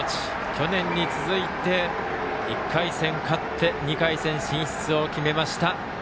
去年に続いて、１回戦勝って２回戦進出を決めました。